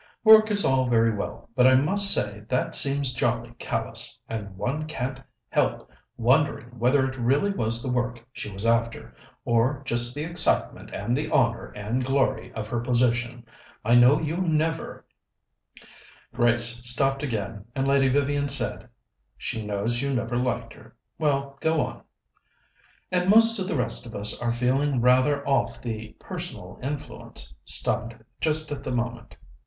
Work is all very well, but I must say that seems jolly callous, and one can't help wondering whether it really was the work she was after, or just the excitement and the honour and glory of her position. I know you never " Grace stopped again, and Lady Vivian said: "She knows you never liked her well, go on." " and most of the rest of us are feeling rather off the 'personal influence' stunt just at the moment.